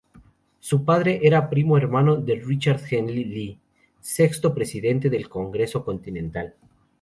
Su padre era primo hermano de Richard Henry Lee, sexto presidente del Congreso Continental.